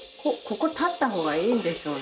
ここ立った方がいいでしょう。